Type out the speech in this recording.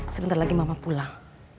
sebentar lagi mama pulang